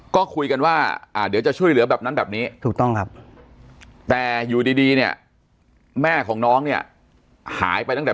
ก็คุยกันว่าเดี๋ยวจะช่วยเหลือแบบนั้นแบบนี้ถูกต้องครับแต่อยู่ดีเนี่ยแม่ของน้องเนี่ยหายไปตั้งแต่